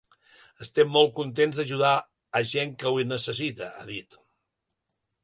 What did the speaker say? “Estem molt contents d’ajudar a gent que ho necessita”, ha dit.